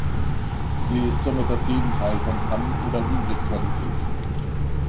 Sie ist somit das Gegenteil von Pan- oder Bisexualität.